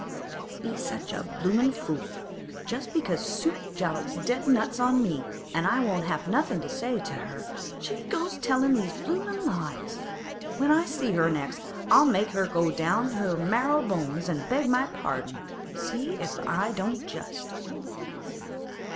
Don't be such a bloomin' fool! Just because Suke Jollop's dead nuts on me, an' I won't have nothin' to say to her, she goes tellin' these bloomin' lies. When I see her next, I'll make her go down on her marrow bones an' beg my pardon. See if I don't just!